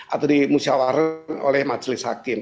atau dimusyawarkan oleh majelis hakim